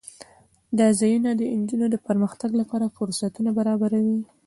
دا ځایونه د نجونو د پرمختګ لپاره فرصتونه برابروي.